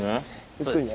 ゆっくりね。